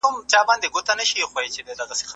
چي کوس ئې کولای سي ، اولس ئې نه سي کولای.